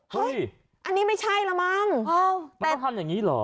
เฮ้ยอันนี้ไม่ใช่ละมั้งมันต้องทำอย่างนี้เหรอ